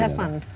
jadi kamu senang